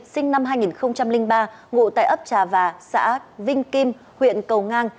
sinh năm hai nghìn ba ngụ tại ấp trà và xã vinh kim huyện cầu ngang